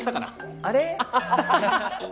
あれ？